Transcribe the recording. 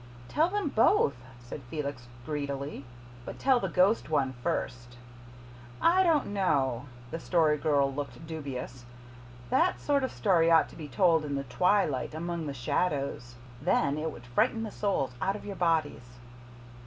"Tell them both," said Felix greedily, "but tell the ghost one first." "I don't know." The Story Girl looked dubious. "That sort of story ought to be told in the twilight among the shadows. Then it would frighten the souls out of your bodies."